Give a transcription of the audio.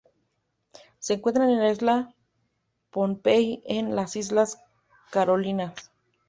Se encuentra en la isla Pohnpei, en las Islas Carolinas.